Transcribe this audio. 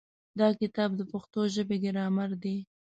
دا کتاب د پښتو ژبې ګرامر دی.